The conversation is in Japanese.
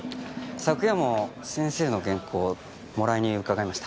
昨夜も先生の原稿をもらいに伺いました。